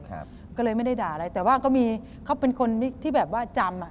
ก็เลยไม่ได้ด่าอะไรแต่ว่าก็มีเขาเป็นคนที่แบบว่าจำอ่ะ